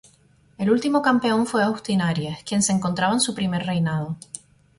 El último campeón fue Austin Aries, quien se encontraba en su primer reinado.